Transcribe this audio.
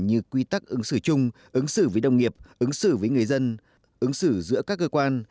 như quy tắc ứng xử chung ứng xử với đồng nghiệp ứng xử với người dân ứng xử giữa các cơ quan